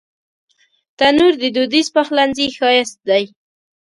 تنور د دودیز پخلنځي ښایست دی